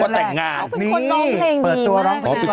นึกว่าแต่งงานเบิร์ตตัวร้องเพลงดีมาก